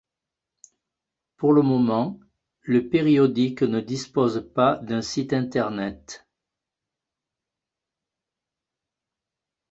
Pour le moment, le périodique ne dispose pas d'un site internet.